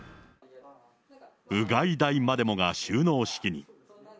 うがい台までもが収納式に。